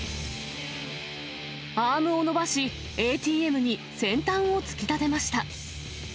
アームを伸ばし、ＡＴＭに先端を突き立てました。